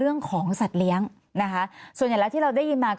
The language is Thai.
เรื่องของสัตว์เลี้ยงนะคะส่วนใหญ่แล้วที่เราได้ยินมา